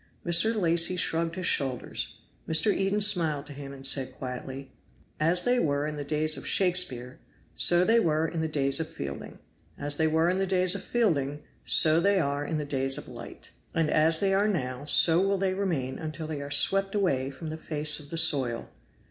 Mr. Lacy shrugged his shoulders. Mr. Eden smiled to him, and said quietly: "As they were in the days of Shakespeare so they were in the days of Fielding; as they were in the days of Fielding so they are in the days of light; and as they are now so will they remain until they are swept away from the face of the soil.